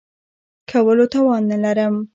کولو توان نه لرم .